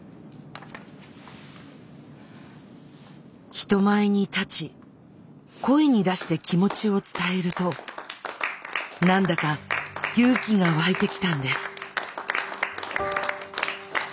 人前に立ち声に出して気持ちを伝えると何だか勇気が湧いてきたんです。